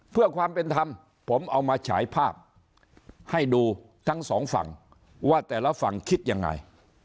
เพื่อความเป็นธรรมผมเอามาฉายภาพให้ดูทั้งสองฝั่งว่าแต่ละฝั่งคิดยังไง